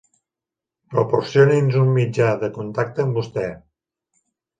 Proporcioni'ns un mitjà de contacte amb vostè.